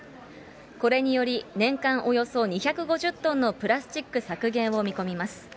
これにより、年間およそ２５０トンのプラスチック削減を見込みます。